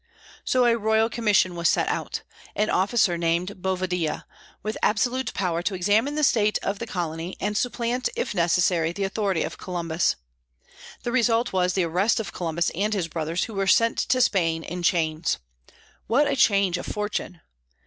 So a royal commission was sent out, an officer named Bovadilla, with absolute power to examine into the state of the colony, and supplant, if necessary, the authority of Columbus. The result was the arrest of Columbus and his brothers, who were sent to Spain in chains. What a change of fortune!